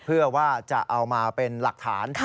เพื่อว่าจะเอามาเป็นหลักฐาน